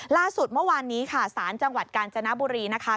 ล่าสุดเมื่อวานนี้ค่ะศาลจังหวัดกาญจนบุรีนะคะ